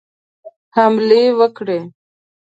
حملې وکړي.